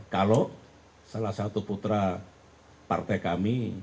kalau salah satu putra partai kami